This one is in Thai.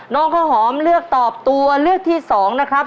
น้องฮอมเลือกตอบตัวเลือกที่สองนะครับ